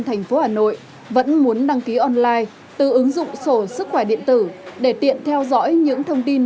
thành phố hà nội vẫn muốn đăng ký online từ ứng dụng sổ sức khỏe điện tử để tiện theo dõi những thông tin